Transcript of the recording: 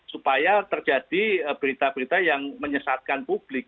supaya terjadi berita berita yang menyesatkan publik